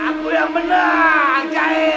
aku yang menang jail